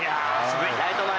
ライト前。